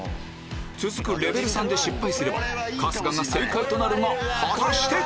続くレベル３で失敗すれば春日が正解となるが果たして⁉